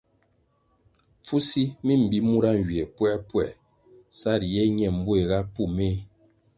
Pfusi mi mbi mura nywie puerpuer sa riye ñe mbuéhga pú méh.